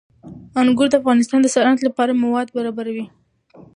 انګور د افغانستان د صنعت لپاره مواد برابروي.